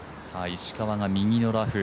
石川が右のラフ。